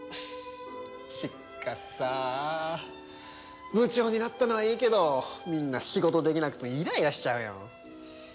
しかしさあ部長になったのはいいけどみんな仕事できなくてイライラしちゃうよ。